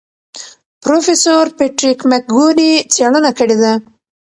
پروفیسور پیټریک مکګوري څېړنه کړې ده.